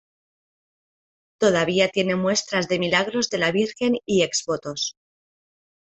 Todavía tiene muestras de milagros de la Virgen y exvotos.